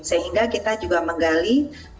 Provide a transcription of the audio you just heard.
sehingga kita juga menggali kontak erat ini